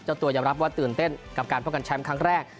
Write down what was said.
ตัวยอมรับว่าตื่นเต้นกับการป้องกันแชมป์ครั้งแรก